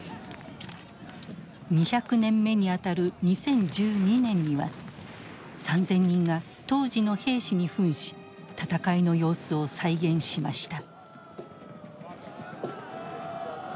２００年目に当たる２０１２年には３，０００人が当時の兵士に扮し戦いの様子を再現しました。